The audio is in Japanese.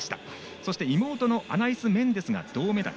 そして妹のアナイス・メンデスが銅メダル。